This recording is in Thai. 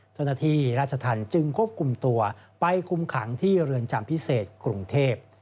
เจ้าหน้าที่ราชธรรมจึงควบคุมตัวไปคุมขังที่เรือนจำพิเศษกรุงเทพ